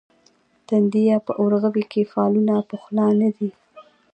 تندیه په اورغوي کې فالونه پخلا نه دي.